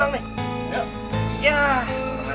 dengan begini kita akan mendapatkan uang